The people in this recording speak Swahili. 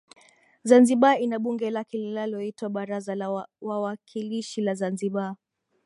Zanzibar ina bunge lake linaloitwa Baraza la Wawakilishi la Zanzibar